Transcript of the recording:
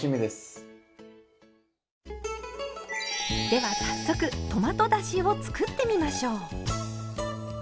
では早速トマトだしを作ってみましょう。